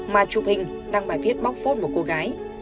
mà chụp hình đăng bài viết bóc phốt một cô gái